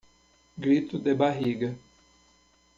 Grito de barriga